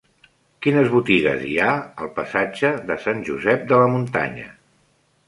Quines botigues hi ha al passatge de Sant Josep de la Muntanya?